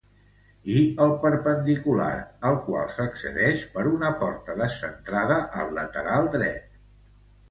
I el perpendicular, al qual s'accedeix per una porta descentrada al lateral dret.